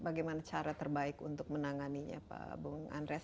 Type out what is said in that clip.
bagaimana cara terbaik untuk menanganinya pak bung andres